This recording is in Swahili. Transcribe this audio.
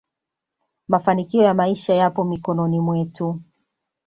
mafanikio ya maisha yapo mikono mwetu